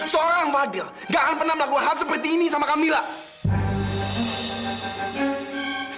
seorang fadil tidak akan pernah melakukan hal seperti ini sama kamilah